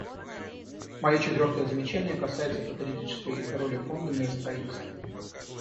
Мое четвертое замечание касается каталитической роли Фонда миростроительства.